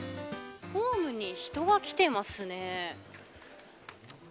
ホームに人が来てますね。